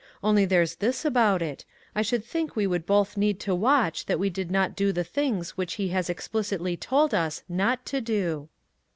Only there's this about it, I should think we would both need to watch that we did not do the things which He has explicitly told us not to do."